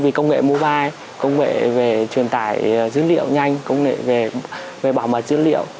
vì công nghệ mobile công nghệ về truyền tải dữ liệu nhanh công nghệ về bảo mật dữ liệu